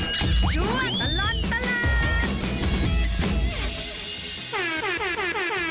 ช่วงตลอดตลาด